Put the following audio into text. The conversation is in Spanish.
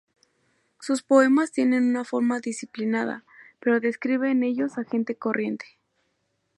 Sus poemas tienen una forma disciplinada, pero describe en ellos a gente corriente.